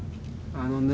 あのね？